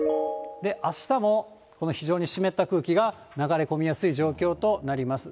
あしたも、この非常に湿った空気が流れ込みやすい状況となります。